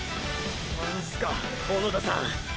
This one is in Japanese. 何すか小野田さん